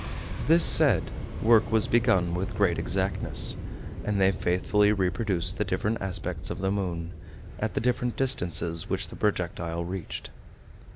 This said, work was begun with great exactness; and they faithfully reproduced the different aspects of the moon, at the different distances which the projectile reached.